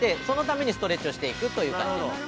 そのためにストレッチをしていくという感じ。